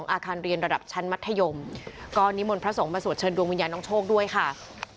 อาคารเรียนระดับชั้นมัธยมก็นิมนต์พระสงฆ์มาสวดเชิญดวงวิญญาณน้องโชคด้วยค่ะ